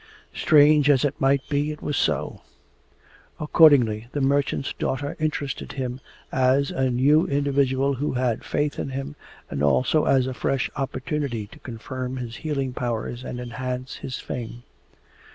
Strange as it might be, it was so. Accordingly the merchant's daughter interested him as a new individual who had faith in him, and also as a fresh opportunity to confirm his healing powers and enhance his fame.